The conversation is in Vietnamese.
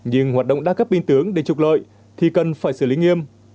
nhưng hoạt động đa cấp biên tướng để trục lợi thì cần phải xử lý nghiêm